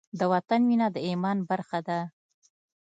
د وطن مینه د ایمان برخه ده.